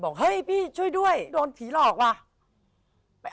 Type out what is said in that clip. เฮ้ยพี่ช่วยด้วยโดนผีหลอกว่ะ